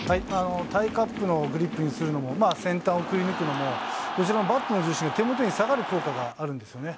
タイカップのグリップにするのも、先端をくりぬくのも、バットの重心が後ろに下がる効果があるんですよね。